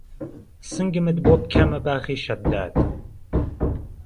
سنگمت بۆ پکهمه باغی شەدداد